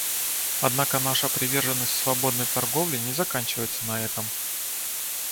Однако наша приверженность свободной торговле не заканчивается на этом.